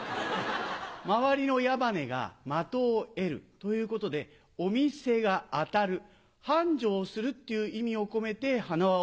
周りの矢羽根が「的を得る」ということでお店が当たる繁盛するっていう意味を込めて花輪を。